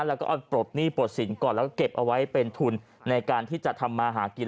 แล้วก็เอาปลดหนี้ปลดสินก่อนแล้วก็เก็บเอาไว้เป็นทุนในการที่จะทำมาหากิน